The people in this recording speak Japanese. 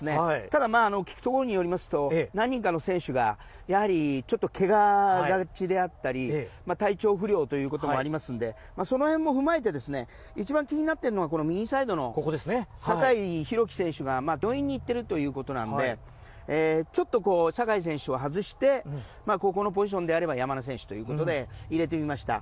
ただ、聞くところによりますと何人かの選手がやはり、ちょっとけががちであったり体調不良ということもありますのでその辺も踏まえて一番気になっているのは右サイドの酒井宏樹選手が病院に行っているということでちょっと酒井選手を外してここのポジションであれば山根選手ということで入れてみました。